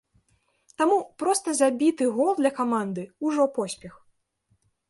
Таму проста забіты гол для каманды ўжо поспех.